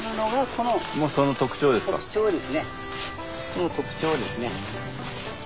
この特徴ですね。